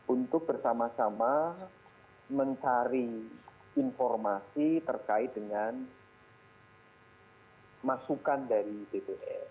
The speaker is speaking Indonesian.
untuk bersama sama mencari informasi terkait dengan masukan dari bpn